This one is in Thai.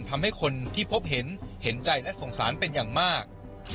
ทำให้คนที่พบเห็นเห็นใจและสงสารเป็นอย่างมาก